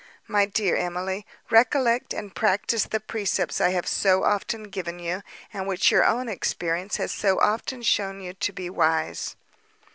My dear Emily, recollect and practise the precepts I have so often given you, and which your own experience has so often shown you to be wise.